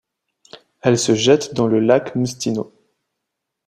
Elle se jette dans le lac Mstino.